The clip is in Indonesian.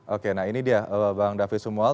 oke nah ini dia bang david semual